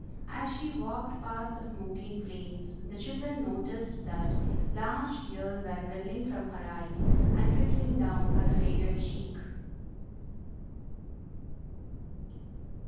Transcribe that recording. As she walked past the smoking flames the children noticed that large tears were welling from her eyes and trickling down her faded cheek.